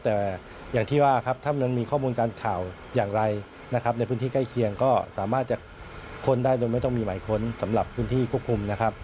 แต่อย่างที่ว่าครับถ้ามันมีข้อมูลการข่าวอย่างไรนะครับในพื้นที่ใกล้เคียงก็สามารถจะค้นได้โดยไม่ต้องมีหมายค้นสำหรับพื้นที่ควบคุมนะครับ